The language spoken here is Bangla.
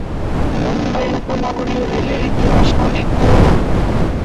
মুম্বাই উপনগরীয় রেলের ইতিহাস অনেক পুরনো।